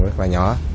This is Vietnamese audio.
rất là nhỏ